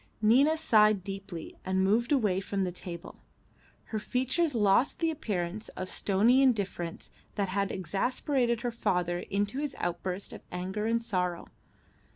Nina sighed deeply and moved away from the table. Her features lost the appearance of stony indifference that had exasperated her father into his outburst of anger and sorrow.